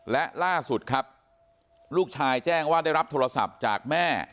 และล่าสุดครับลูกชายแจ้งว่าได้รับโทรศัพท์จากแม่